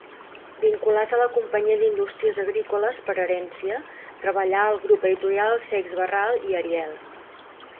Vinculat a la Companyia d'Indústries Agrícoles per herència, treballà al grup editorial Seix-Barral i Ariel.